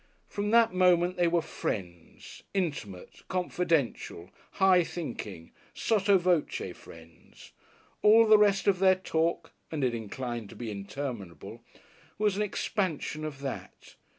From that moment they were Friends, intimate, confidential, high thinking, sotto voce friends. All the rest of their talk (and it inclined to be interminable) was an expansion of that.